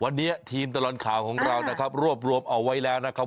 วันนี้ทีมตลอดข่าวของเรานะครับรวบรวมเอาไว้แล้วนะครับ